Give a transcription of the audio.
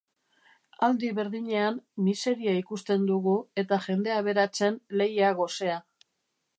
Aldi berdinean, miseria ikusten dugu eta jende aberatsen lehia gosea.